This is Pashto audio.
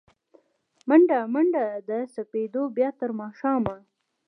مڼډه، منډه د سپېدو، بیا تر ماښامه